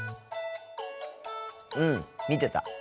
うん見てた。